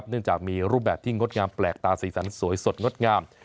เนื่องจากมีรูปแบบที่งดงามแปลกตาสีสันสวยสดงดงาม